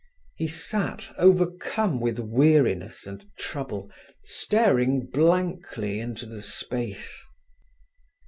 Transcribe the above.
He sat, overcome with weariness and trouble, staring blankly into the space.